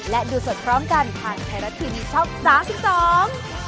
และดูสดพร้อมกันทางแทรธินช็อปสามสิบสอง